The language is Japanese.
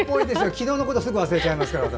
昨日のことすぐ忘れちゃいますから、私。